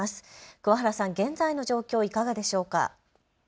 くわ原さん、現在の状況、いかがでしょうか。